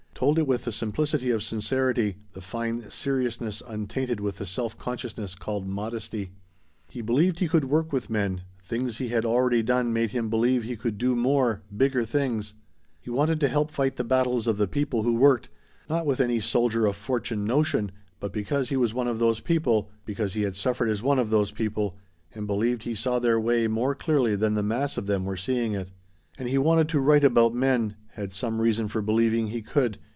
Told it with the simplicity of sincerity, the fine seriousness untainted with the self consciousness called modesty. He believed he could work with men; things he had already done made him believe he could do more, bigger things. He wanted to help fight the battles of the people who worked; not with any soldier of fortune notion, but because he was one of those people, because he had suffered as one of those people, and believed he saw their way more clearly than the mass of them were seeing it. And he wanted to write about men; had some reason for believing he could.